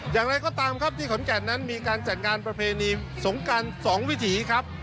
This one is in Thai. อย่างไรก็ตามครับที่ขอนแก่นนั้นมีการจัดงานประเพณีสงการ๒วิถีครับ